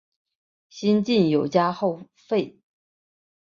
西晋永嘉后废。